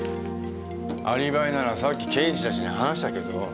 アリバイならさっき刑事たちに話したけど。